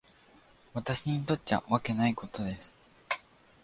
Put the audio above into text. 私にとっちゃわけないことです。